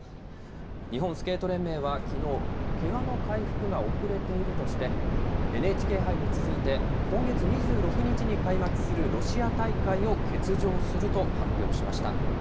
日本スケート連盟はきのう、けがの回復が遅れているとして、ＮＨＫ杯に続いて、今月２６日に開幕するロシア大会を欠場すると発表しました。